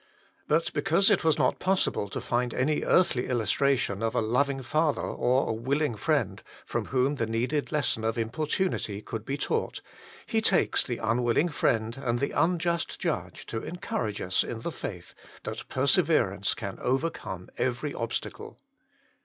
But because it was not possible to find any earthly illustration of a loving father or a willing friend from whom the needed lesson of importunity could be taught, He takes the un willing friend and the unjust judge to encourage in us the faith, that perseverance can overcome every obstacle.